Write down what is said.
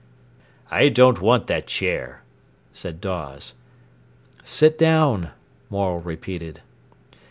"I don't want that chair," said Dawes. "Sit down!" Morel repeated.